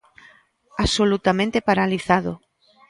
Absolutamente paralizado.